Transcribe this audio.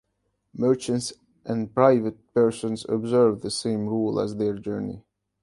Merchants and private persons observe the same rule on their journey.